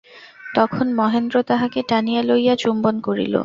তখন মহেন্দ্র তাহাকে টানিয়া লইয়া চুম্বন করিল।